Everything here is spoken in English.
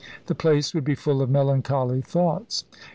The place would be full of melancholy thoughts.